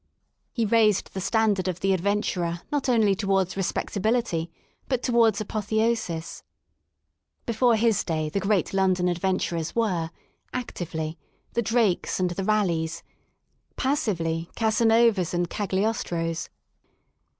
He raised the standard of the adventurer not only towards respect ability but towards apotheosis Before his day the great London adventurers were, actively, the Drakes and the Raleighs ; passively, Casa novas and Cagliostros.